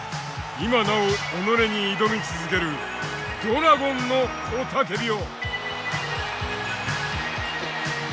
今なお己に挑み続けるドラゴンの雄たけびを！